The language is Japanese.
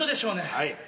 はい。